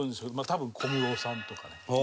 多分小室さんとかね。